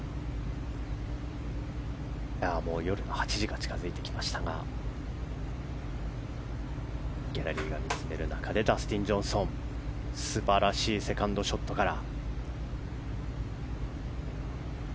夜の８時が近づいてきましたがギャラリーが見つめる中でダスティン・ジョンソン素晴らしいセカンドショットから。